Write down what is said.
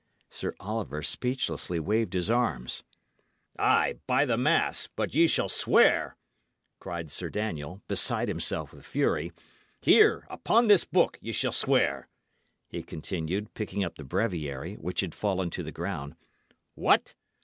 Sir Oliver speechlessly waved his arms. "Ay, by the mass! but ye shall swear," cried Sir Daniel, beside himself with fury. "Here, upon this book, ye shall swear," he continued, picking up the breviary, which had fallen to the ground. "What!